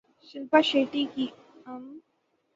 شلپا شیٹھی کی ام